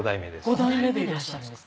５代目でいらっしゃるんですね。